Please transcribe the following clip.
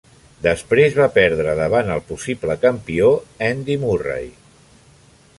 Després va perdre davant el possible campió Andy Murray.